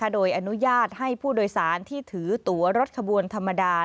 โดยอนุญาตให้ผู้โดยสารที่ถือตัวรถขบวนธรรมดา